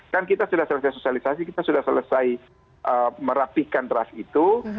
kan kita sudah selesai sosialisasi kita sudah selesai merapikan trust itu